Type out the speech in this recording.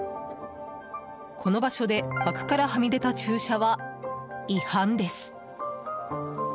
この場所で、枠からはみ出た駐車は違反です。